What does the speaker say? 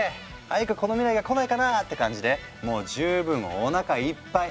早くこの未来が来ないかな」って感じでもう十分おなかいっぱい。